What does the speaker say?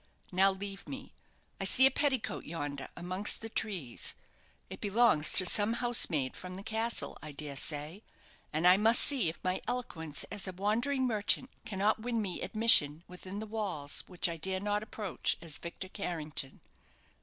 Now leave me. I see a petticoat yonder amongst the trees. It belongs to some housemaid from the castle, I dare say; and I must see if my eloquence as a wandering merchant cannot win me admission within the walls which I dare not approach as Victor Carrington."